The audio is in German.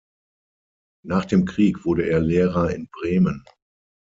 Nach dem Krieg wurde er Lehrer in Bremen.